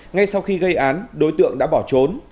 ngay sau khi gây án đối tượng đã bỏ trốn